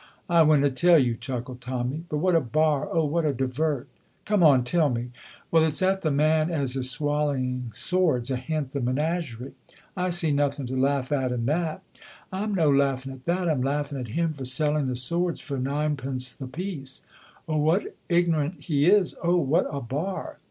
"I winna tell you," chuckled Tommy, "but what a bar, oh, what a divert!" "Come on, tell me." "Well, it's at the man as is swallowing swords ahint the menagerie." "I see nothing to laugh at in that." "I'm no laughing at that. I'm laughing at him for selling the swords for ninepence the piece. Oh, what ignorant he is, oh, what a bar!"